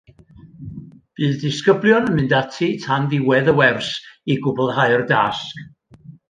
Bydd disgyblion yn mynd ati tan ddiwedd y wers i gwblhau'r dasg.